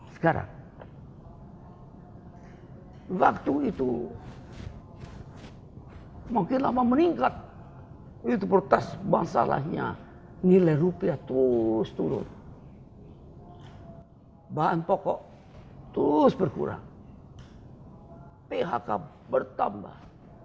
sekarang waktu itu makin lama meningkat itu pertas masalahnya nilai rupiah terus turun bahan pokok terus berkurang phk bertambah